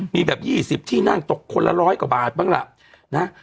มีแบบ๒๐ที่นั่งตกคนละร้อยกว่าบาทบ้างล่ะนะ